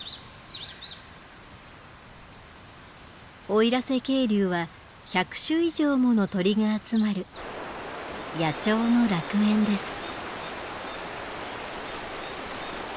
奥入瀬渓流は１００種以上もの鳥が集まる野鳥の楽園です。